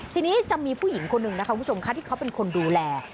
ทีนี้จะมีผู้หญิงคนหนึ่งนะคะที่เขาเป็นคนดูแล